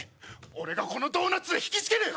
俺がこのドーナツで引きつける。